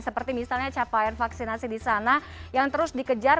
seperti misalnya capaian vaksinasi di sana yang terus dikejar